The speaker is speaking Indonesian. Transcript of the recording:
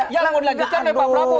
yang melanjutkan pak prabowo